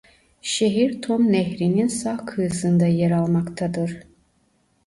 Şehir Tom Nehri'nin sağ kıyısında yer almaktadır.